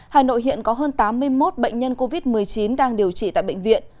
hà nội hiện có hơn tám mươi một bệnh nhân covid một mươi chín đang điều trị tại bệnh viện